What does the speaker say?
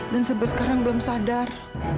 dan sampai sekarang belum sadar